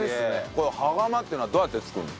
この羽釜っていうのはどうやって作るの？